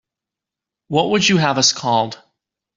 What would you have us called?